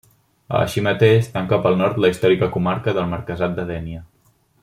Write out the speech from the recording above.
Així mateix, tanca pel nord la històrica comarca del marquesat de Dénia.